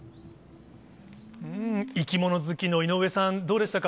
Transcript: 生き物好きの井上さん、どうでしたか？